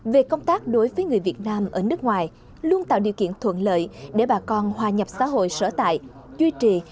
về công tác đối với người việt nam ở nước ngoài luôn tạo điều kiện thuận lợi để bà con hòa nhập xã hội sở tại duy trì